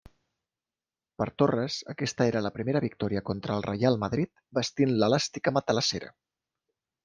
Per Torres, aquesta era la primera victòria contra el Reial Madrid vestint l'elàstica matalassera.